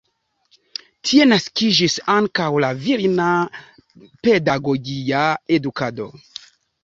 Tie naskiĝis ankaŭ la virina pedagogia edukado.